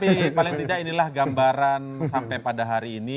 tapi paling tidak inilah gambaran sampai pada hari ini